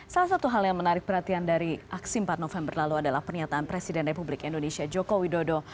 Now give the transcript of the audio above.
salah satu hal yang menarik perhatian dari aksi empat november lalu adalah pernyataan presiden republik indonesia joko widodo